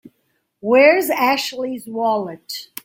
Where's Ashley's wallet?